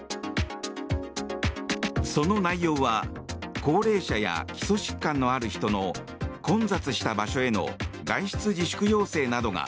その内容は高齢者や基礎疾患のある人の混雑した場所への外出自粛要請などが